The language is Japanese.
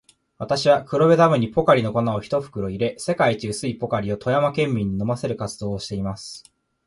私は、黒部ダムにポカリの粉を一袋入れ、世界一薄いポカリを富山県民に飲ませる活動をしています。